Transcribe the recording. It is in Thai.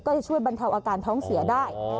จะช่วยบรรเทาอาการท้องเสียได้